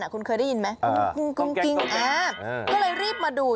คุณเคยได้ยินไหมคงอ่าเค้าเลยรีบมาดู